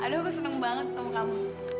aduh gue seneng banget ketemu kamu